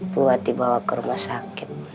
buat dibawa ke rumah sakit